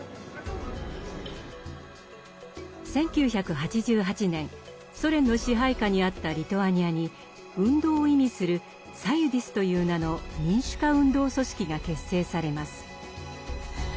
１９８８年ソ連の支配下にあったリトアニアに「運動」を意味する「サユディス」という名の民主化運動組織が結成されます。